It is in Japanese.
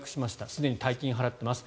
すでに大金を払っています